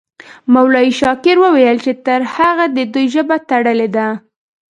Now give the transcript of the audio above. مولوي شاکر وویل چې ترهې د دوی ژبه تړلې ده.